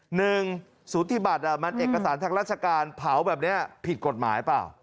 หนึ่งสุธิบัติมันเอกสารทางราชการเผาแบบนี้ผิดกฎหมายเปล่า